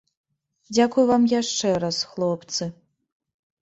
Дзякуй вам яшчэ раз, хлопцы.